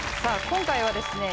今回はですね